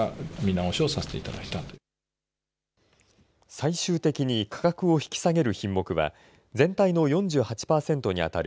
最終的に価格を引き下げる品目は、全体の４８％に当たる